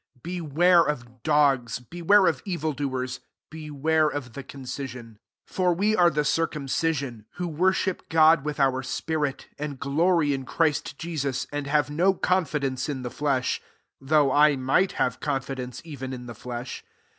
2 Beware of dogs, beware )f evil doers, beware of the concision. 3 For we are the :ircumci«ion, who worship God vith our spirit, and glory in [Christ Jesus, and have no con idence in the flesh : 4 though [ might have confidence even n the flesh.